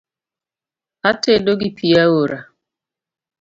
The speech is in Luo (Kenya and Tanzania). Atedo gi pii aora